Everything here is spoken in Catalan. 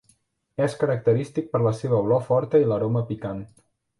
És característic per la seva olor forta i l'aroma picant.